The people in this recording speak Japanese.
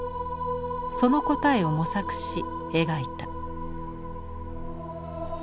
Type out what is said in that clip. その答えを模索し描いた。